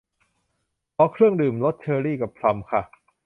ขอเครื่องดื่มรสเชอรี่กับพลัมค่ะ